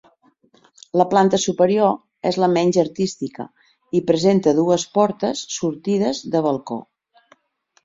La planta superior és la menys artística i presenta dues portes sortides de balcó.